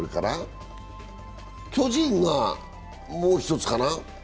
巨人が、もう１つかな？